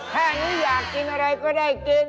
แค่นี้อยากกินอะไรก็ได้กิน